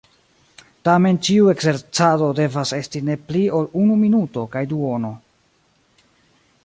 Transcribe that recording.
Tamen ĉiu ekzercado devas esti ne pli ol unu minuto kaj duono.